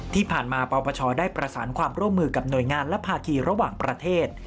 ที่ผ่านมาปปชได้ประสานความร่วมมือกับหน่วยงานและภาคีระหว่างประเทศ